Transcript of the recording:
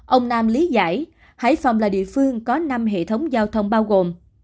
ông nam lý giải hải phòng là địa phương có năm hệ thống giao thông bao gồm